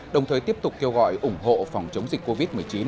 đồng thời tiếp tục kêu gọi ủng hộ phòng chống dịch covid một mươi chín